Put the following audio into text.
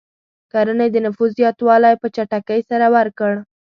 کرنې د نفوس زیاتوالی په چټکۍ سره ورکړ.